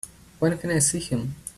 When can I see him?